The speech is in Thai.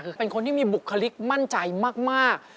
คือเป็นคนที่มีบุคลิกมั่นใจมาก